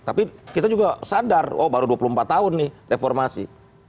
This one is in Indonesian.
tapi kita juga sadar oh baru dua puluh empat tahun nih reformasi